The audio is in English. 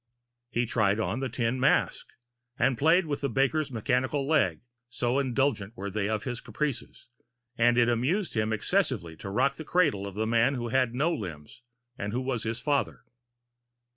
He tried on the tin mask and played with the baker's mechanical leg, so indulgent were they of his caprices; and it amused him excessively to rock the cradle of the man who had no limbs, and who was his father.